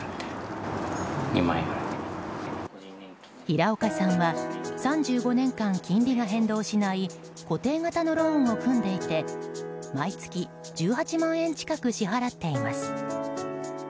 平岡さんは３５年間、金利が変動しない固定型のローンを組んでいて毎月１８万円近く支払っています。